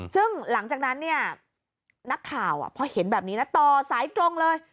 ซึ่งหลังจากนั้นเนี่ยนักข่าวพอเห็นแบบนี้นะต่อสายตรงเลย